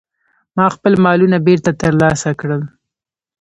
ما خپل مالونه بیرته ترلاسه کړل.